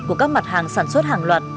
của các mặt hàng sản xuất hàng loạt